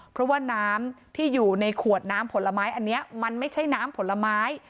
เพราะว่าน้ำที่อยู่ในขวดน้ำผลไม้อันนี้มันไม่ใช่น้ำผลไม้